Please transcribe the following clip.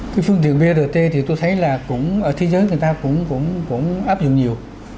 cái phương tiện brt thì tôi thấy là cũng ở thế giới người ta cũng áp dụng nhiều